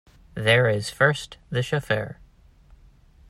There is first the chauffeur.